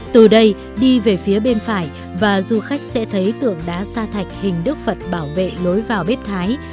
từ đây đi về phía bên phải và du khách sẽ thấy tượng đá sa thạch hình đức phật bảo vệ lối vào bếp thái